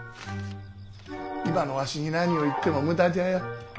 今のわしに何を言っても無駄じゃよ。